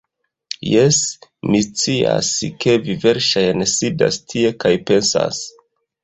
Jes, mi scias, ke vi verŝajne sidas tie kaj pensas